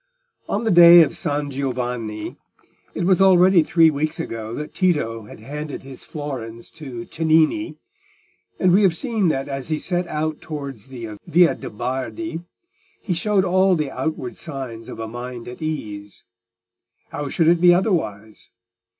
On the day of San Giovanni it was already three weeks ago that Tito had handed his florins to Cennini, and we have seen that as he set out towards the Via de' Bardi he showed all the outward signs of a mind at ease. How should it be otherwise?